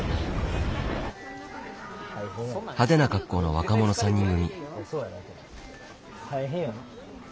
派手な格好の若者３人組。